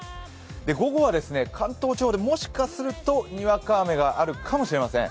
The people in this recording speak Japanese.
午後は関東地方でもしかするとにわか雨があるかもしれません。